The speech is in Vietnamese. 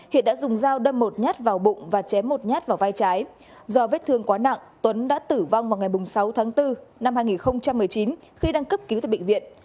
hiệp đã dùng dao đâm một nhát vào bụng và chém một nhát vào vai trái do vết thương quá nặng tuấn đã tử vong vào ngày sáu tháng bốn năm hai nghìn một mươi chín khi đang cấp cứu tại bệnh viện